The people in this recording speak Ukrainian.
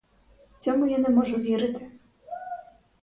Цьому я не можу вірити.